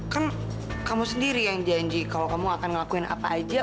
kan kamu sendiri yang janji kalau kamu akan ngelakuin apa aja